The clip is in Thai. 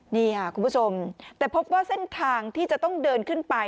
นี่ค่ะคุณผู้ชมแต่พบว่าเส้นทางที่จะต้องเดินขึ้นไป